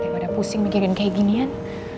daripada pusing mikirin kayak ginian